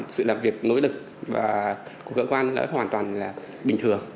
sự làm việc nối lực của cơ quan là hoàn toàn bình thường